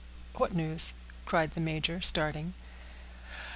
"What news?" cried the major, starting.